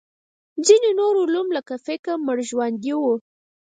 ځینې نور علوم لکه فقه مړژواندي وو.